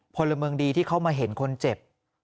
พลเมืองดีที่เข้ามาเห็นคนเจ็บ